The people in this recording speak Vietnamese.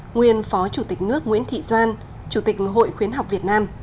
nguyên phó chủ tịch nước nguyễn thị doan chủ tịch hội khuyến học việt nam